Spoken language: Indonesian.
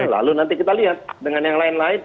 lalu nanti kita lihat dengan yang lain lain